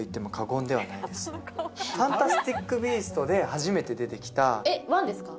「ファンタスティック・ビースト」で初めて出てきた１ですか？